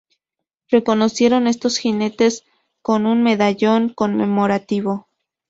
Reconocieron estos jinetes con un medallón conmemorativo.